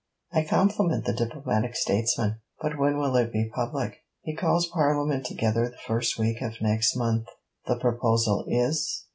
I compliment the diplomatic statesman. But when will it be public?' 'He calls Parliament together the first week of next month.' 'The proposal is